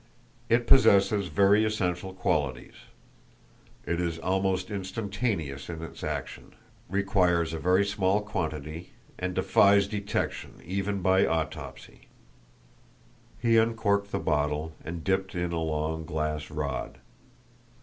It possesses very essential qualities. It is almost instantaneous in its action, requires a very small quantity, and defies detection even by autopsy." He uncorked the bottle, and dipped in a long glass rod.